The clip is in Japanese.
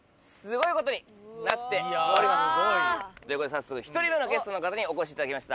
早速１人目のゲストの方にお越しいただきました。